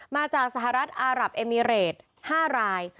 มาจากสหรัฐอารับเอมิเรต๕ราย